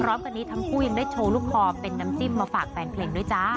พร้อมกันนี้ทั้งคู่ยังได้โชว์ลูกคอเป็นน้ำจิ้มมาฝากแฟนเพลงด้วยจ้า